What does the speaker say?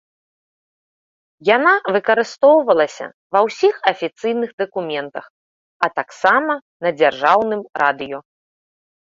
Яна выкарыстоўвалася ўва ўсіх афіцыйных дакументах, а таксама на дзяржаўным радыё.